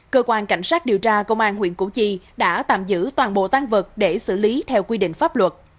cơ quan cảnh sát điều tra công an huyện củ chi đã tạm giữ toàn bộ tan vật để xử lý theo quy định pháp luật